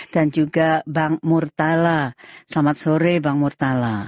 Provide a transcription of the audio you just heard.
dan juga bang murtala selamat sore bang murtala